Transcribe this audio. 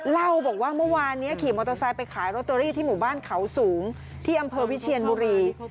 เล่าบอกว่าเมื่อวานนี้ขี่มอเตอร์ไซค์ไปขายโรตเตอรี่ที่หมู่บ้านเขาสูงที่อำเภอวิเชียนบุรี